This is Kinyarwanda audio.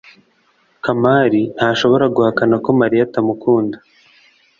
kamali ntashobora guhakana ko mariya atamukunda